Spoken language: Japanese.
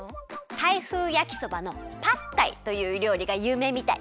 タイ風やきそばのパッタイというりょうりがゆうめいみたい。